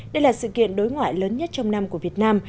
đây là sự kiện đối ngoại lớn nhất trong năm của việt nam